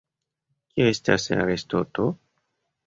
Kio estas arestoto?